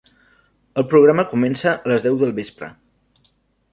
El programa comença a les deu del vespre.